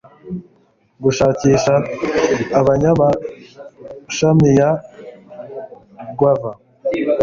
gushakisha abanyamashami ya guava